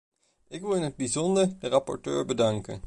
Ik wil in het bijzonder de rapporteur bedanken.